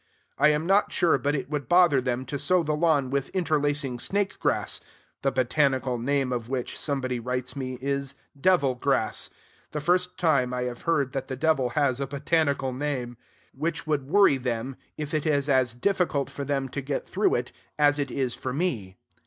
I am not sure but it would bother them to sow the lawn with interlacing snake grass (the botanical name of which, somebody writes me, is devil grass: the first time I have heard that the Devil has a botanical name), which would worry them, if it is as difficult for them to get through it as it is for me.